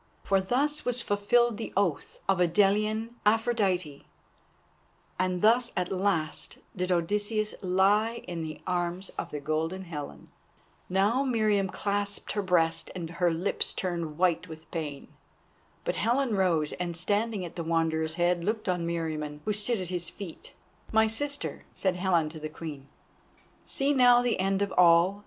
For thus was fulfilled the oath of Idalian Aphrodite, and thus at the last did Odysseus lie in the arms of the Golden Helen. Now Meriamun clasped her breast, and her lips turned white with pain. But Helen rose, and standing at the Wanderer's head looked on Meriamun, who stood at his feet. "My sister," said Helen to the Queen; "see now the end of all.